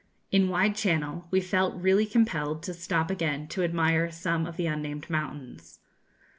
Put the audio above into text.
In Wide Channel we felt really compelled to stop again to admire some of the unnamed mountains.